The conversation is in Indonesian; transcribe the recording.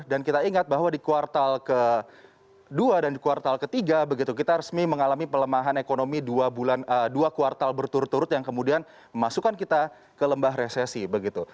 dan di kuartal ketiga kita resmi mengalami pelemahan ekonomi dua kuartal berturut turut yang kemudian memasukkan kita ke lembah resesi